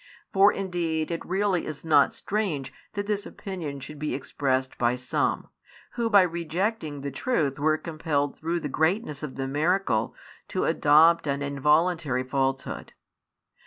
For indeed it really is not strange that this opinion should be expressed by some, who by rejecting the truth were compelled through the greatness of the miracle to adopt an involuntary falsehood.